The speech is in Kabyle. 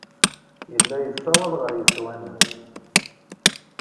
Yella yessawaḍ ɣer yeswan-nnes.